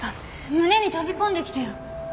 胸に飛び込んできてよ。